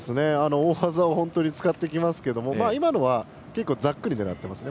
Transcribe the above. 大技、使ってきますけど今のは結構ざっくり狙ってますね。